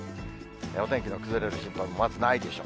お天気の崩れる心配もまずないでしょう。